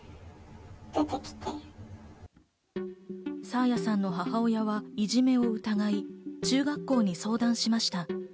爽彩さんの母親はいじめを疑い、中学校に相談しました。